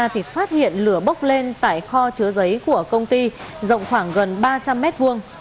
thì phát hiện lửa bốc lên tại kho chứa giấy của công ty rộng khoảng gần ba trăm linh mét vuông